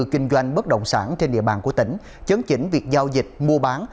kinh doanh bất động sản trên địa bàn của tỉnh chấn chỉnh việc giao dịch mua bán